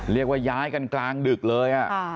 เรียกว่าย้ายกันกลางดึกเลย